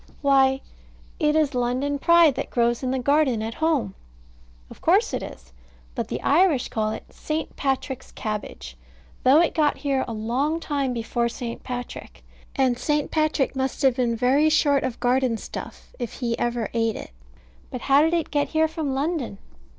Why, it is London Pride, that grows in the garden at home. Of course it is: but the Irish call it St. Patrick's cabbage; though it got here a long time before St. Patrick; and St. Patrick must have been very short of garden stuff if he ever ate it. But how did it get here from London?